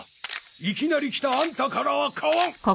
いきなり来たアンタからは買わん！